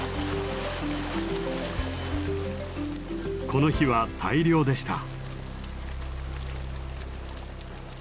この日は大漁でした。